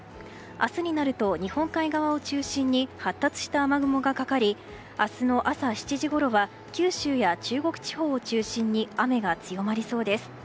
明日になると日本海側を中心に発達した雨雲がかかり明日の朝７時頃は九州や中国地方を中心に雨が強まりそうです。